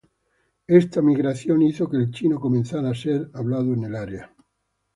Esta migración hizo que el chino comenzara a ser hablado en el área.